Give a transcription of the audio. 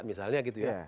misalnya gitu ya